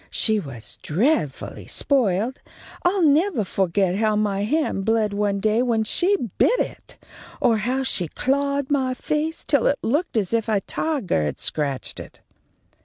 She was dreadfully spoiled. I'll nevah fo'get how my hand bled one day when she bit it, or how she clawed my face till it looked as if a tigah had scratched it."